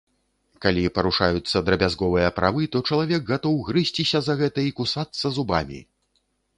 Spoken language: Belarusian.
Калі парушаюцца драбязговыя правы, то чалавек гатоў грызьціся за гэта і кусацца зубамі.